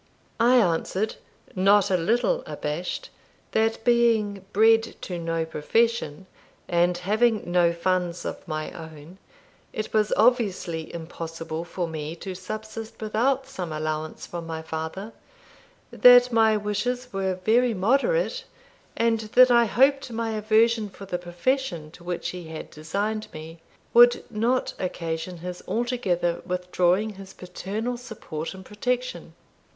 I answered, not a little abashed, "That being bred to no profession, and having no funds of my own, it was obviously impossible for me to subsist without some allowance from my father; that my wishes were very moderate; and that I hoped my aversion for the profession to which he had designed me, would not occasion his altogether withdrawing his paternal support and protection."